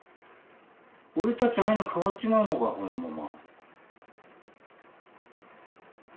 俺たちアイヌ変わっちまうのかこのまま。